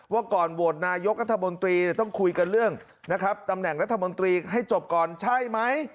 ว่าก่อนโหวตนายกรัฐมนตรีต้องคุยกันเรื่องนะครับตำแหน่งรัฐมนตรีให้จบก่อนใช่ไหม